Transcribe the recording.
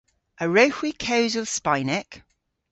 A wrewgh hwi kewsel Spaynek?